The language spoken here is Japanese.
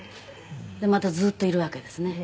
「でまたずっといるわけですね」